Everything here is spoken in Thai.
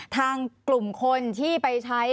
ทางกลุ่มคนที่ไปใช้